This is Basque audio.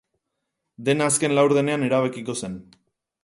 Dena azken laurdenean erabakiko zen.